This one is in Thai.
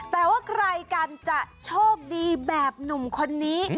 แต่ว่าใครกันจะโชคดีแบบหนุ่มคนนี้